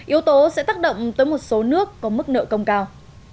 yếu tố sẽ tác động tới một số nước có mức nợ công cao